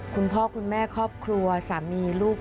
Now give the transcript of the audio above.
คุณพ่อคุณแม่ครอบครัวสามีลูก